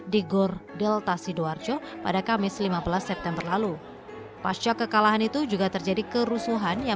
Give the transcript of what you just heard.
di gor delta sidoarjo pada kamis lima belas september lalu pasca kekalahan itu juga terjadi kerusuhan yang